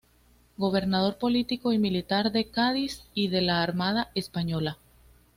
Gobernador político y militar de Cádiz y de la Armada española.